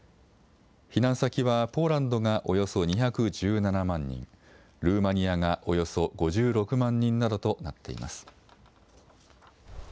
避難先はポーランドがおよそ２１７万人、ルーマニアがおよそ５６万人などとなっています。